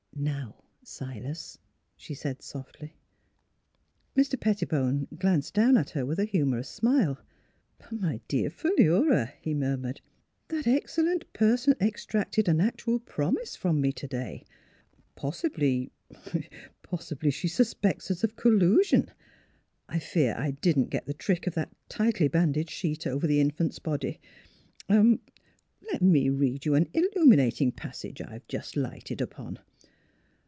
" Now, Silas," she said softly. Mr. Pettibone glanced down at her with a humorous smile. " But, my dear Philura," he murmured, " that excellent person extracted an actual promise from me to day. Possibly er she suspects us of collusion. I fear I didn't get the trick of that tightly banded sheet over the infant's body. Er let me read you an illuminating passage I have just lighted upon."